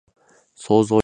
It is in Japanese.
想像力の微塵もなかった